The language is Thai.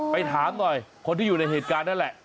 ไปถามหน่อยคนที่อยู่ในเหตุการณ์นั่นแหละ